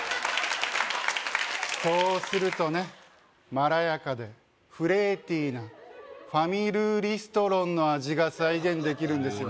そうするとねまらやかでフレーティーなファミルーリストロンの味が再現できるんですよね